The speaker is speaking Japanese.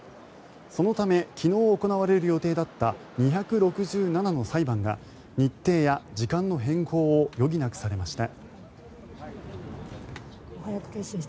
そのため昨日行われる予定だった２６７の裁判が日程や時間の変更を余儀なくされました。